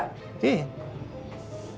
gak ada gini